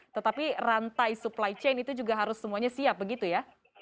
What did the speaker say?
tetapi rantai supply chain itu juga harus semuanya siap begitu ya